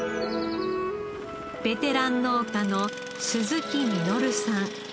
ベテラン農家の鈴木実さん。